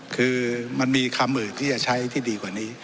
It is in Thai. คือมันมีคำอื่นที่จะใช้ที่ดีกว่านี้